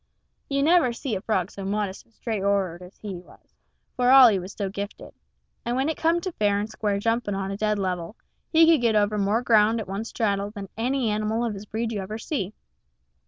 You never see a frog so modest and straightfor'ard as he was, for all he was so gifted. And when it come to fair and square jumping on a dead level, he could get over more ground at one straddle than any animal of his breed you ever see.